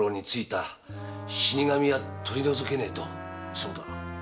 そうだ。